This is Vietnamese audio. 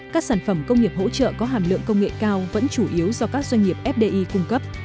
các sản phẩm công nghiệp hỗ trợ có hàm lượng công nghệ cao vẫn chủ yếu do các doanh nghiệp fdi cung cấp